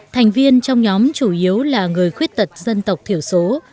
thành viên trong nhóm chủ yếu là người khuyết tật dân tộc thiểu số